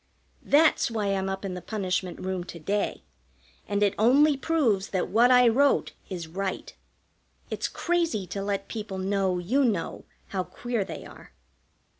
That's why I'm up in the punishment room to day, and it only proves that what I wrote is right. It's crazy to let people know you know how queer they are.